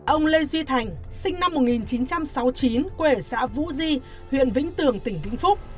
ông lê duy thành sinh năm một nghìn chín trăm sáu mươi chín quê ở xã vũ di huyện vĩnh tường tỉnh vĩnh phúc